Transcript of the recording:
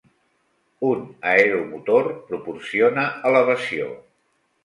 Un aeromotor proporciona elevació